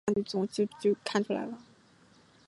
插画由画家亚沙美负责。